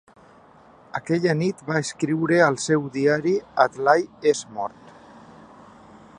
Aquella nit va escriure al seu diari, Adlai és mort.